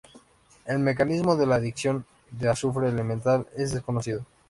El mecanismo de la adición de azufre elemental es desconocido.